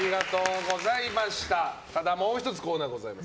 ただ、もう１つコーナーがございます。